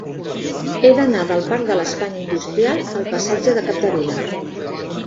He d'anar del parc de l'Espanya Industrial al passatge de Capdevila.